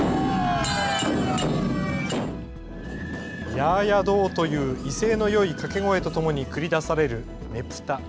ヤーヤドーという威勢のよい掛け声とともに繰り出されるねぷた。